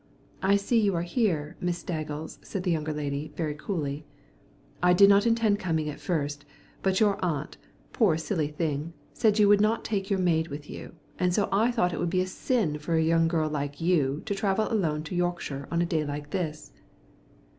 "I see you are here, Miss Staggles," said the younger lady very coolly. "I did not intend coming at first, but your aunt, poor silly thing, said you would not take your maid with you, and so I thought it would be a sin for a young girl like you to travel alone to Yorkshire on a day like this."